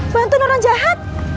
bantuin orang jahat